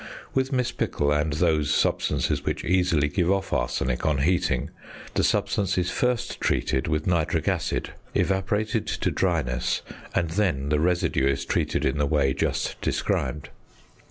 With mispickel, and those substances which easily give off arsenic on heating, the substance is first treated with nitric acid, evaporated to dryness, and then the residue is treated in the way just described.